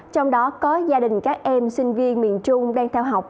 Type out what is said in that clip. trong đó có gia đình các em sinh viên miền trung đang theo học